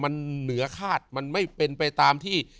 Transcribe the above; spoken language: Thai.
มันเหนือคาดมันไม่เป็นไปตามที่